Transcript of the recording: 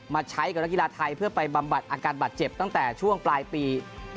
มาใช้กับนักกีฬาไทยเพื่อไปบำบัดอาการบาดเจ็บตั้งแต่ช่วงปลายปี